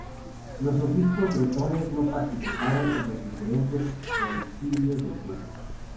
Los obispos bretones no participaron en los diferentes concilios de Tours.